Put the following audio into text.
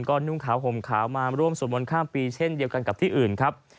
ก็นุ่งขาวห่มขาวมาร่วมสวดมนต์ข้ามปีเช่นเดียวกันกับที่อื่นครับ